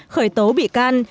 khởi tố bị can